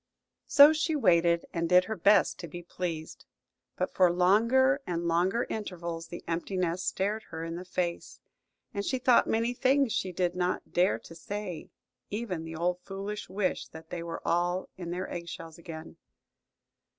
So she waited and did her best to be pleased. But for longer and longer intervals the empty nest stared her in the face, and she thought many things she did not dare to say–even the old foolish wish that they were all in their egg shells again.